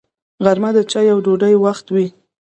غرمه د چایو او ډوډۍ وخت وي